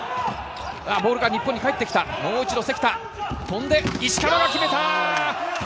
ボールが日本に返ってきた、もう一度関田、跳んで石川が決めた。